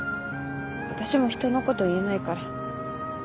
私も人のこと言えないから。